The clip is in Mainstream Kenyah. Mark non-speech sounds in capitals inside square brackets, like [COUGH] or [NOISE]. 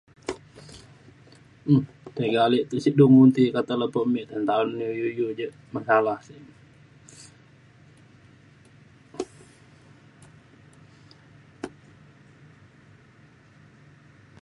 um tiga ale te sek du mu kata le me ta’en iu iu je masalah sek [NOISE]